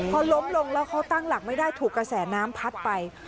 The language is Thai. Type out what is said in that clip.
พอล้มลงแล้วเขาตั้งหลักไม่ได้ถูกกระแสน้ำพัดไป